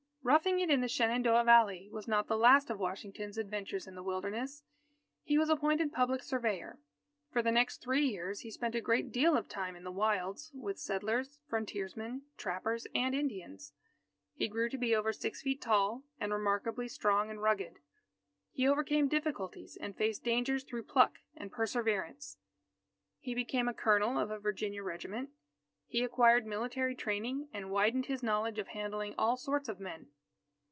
Roughing it in the Shenandoah Valley was not the last of Washington's adventures in the Wilderness. He was appointed public surveyor. For the next three years, he spent a great deal of time in the wilds, with settlers, frontiersmen, trappers, and Indians. He grew to be over six feet tall, and remarkably strong and rugged. He overcame difficulties and faced dangers through pluck and perseverance. He became a Colonel of a Virginia regiment. He acquired military training and widened his knowledge of handling all sorts of men.